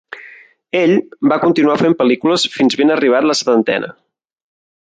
Ell va continuar fent pel·lícules fins ben arribat a la setantena.